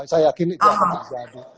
saya yakin itu akan terjadi